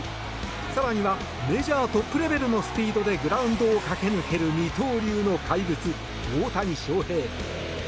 更にはメジャートップレベルのスピードでグラウンドを駆け抜ける二刀流の怪物大谷翔平。